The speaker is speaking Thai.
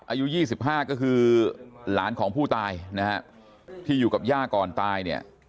อายุ๒๕ก็คือหลานของผู้ตายนะฮะที่อยู่กับย่าก่อนตายเนี่ย